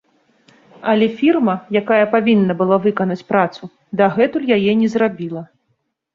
Але фірма, якая павінна была выканаць працу, дагэтуль яе не зрабіла.